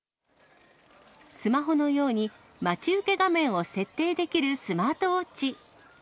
スマホのように、待ち受け画面を設定できるスマートウォッチ。